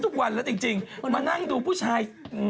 ทุกวันแล้วจริงมานั่งดูผู้ชาย